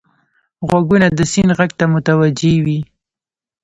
غوږونه د سیند غږ ته متوجه وي